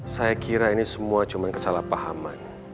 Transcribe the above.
saya kira ini semua cuma kesalahpahaman